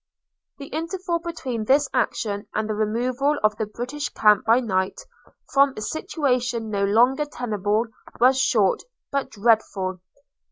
The interval between this action and the removal of the British camp by night, from a situation no longer tenable, was short, but dreadful.